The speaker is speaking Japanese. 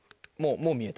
もう見えた。